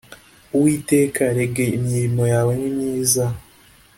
uwiteka erega imirimo yawe nimyiza